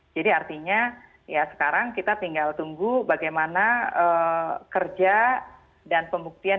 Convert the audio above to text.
jadi artinya ya sekarang kita tinggal tunggu bagaimana kerja dan pembuktian